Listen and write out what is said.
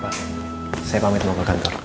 saya pamit mau ke kantor